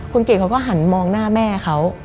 คุณเกดเขาก็หันมองหน้าแม่เขา